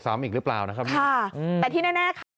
ซ้ำอีกหรือเปล่านะครับค่ะแต่ที่แน่